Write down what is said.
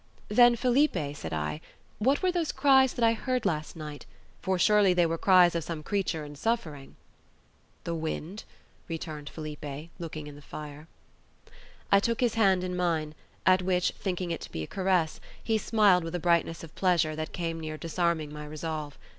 "Then, Felipe," said I, "what were those cries that I heard last night? for surely they were cries of some creature in suffering." "The wind," returned Felipe, looking in the fire. I took his hand in mine, at which, thinking it to be a caress, he smiled with a brightness of pleasure that came near disarming my resolve.